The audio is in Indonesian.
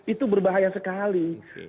itu berbahaya sekali